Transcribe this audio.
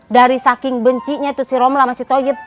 dari saking bencinya itu si romlah sama si toyib